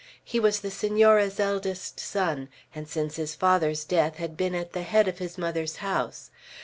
He was the Senora's eldest son, and since his father's death had been at the head of his mother's house.